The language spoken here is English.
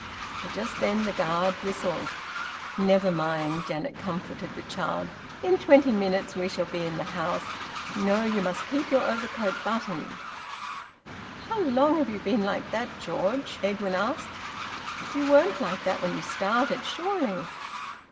But just then the guard whistled. "Never mind!" Janet comforted the child. "In twenty minutes we shall be in the house... No! you must keep your overcoat buttoned." "How long have you been like that, George?" Edwin asked. "You weren't like that when you started, surely?"